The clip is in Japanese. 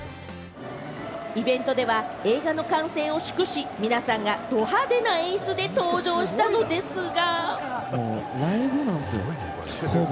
イベントでは、映画の完成を祝し、皆さんがド派手な演出で登場したのですが。